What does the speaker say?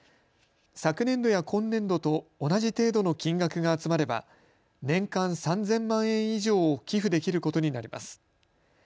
昨年度や今年度と同じ程度の金額が集まれば年間３０００万円以上を寄付できることになります。